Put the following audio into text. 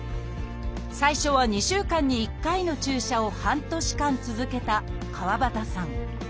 最初は２週間に１回の注射を半年間続けたかわばたさん。